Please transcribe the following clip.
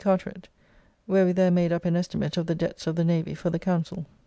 Carteret, where we there made up an estimate of the debts of the Navy for the Council.